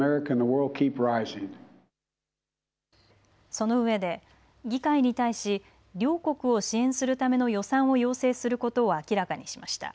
その上で議会に対し両国を支援するための予算を要請することを明らかにしました。